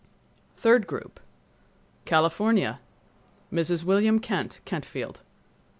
Third Group California—Mrs. William Kent, Kentfield.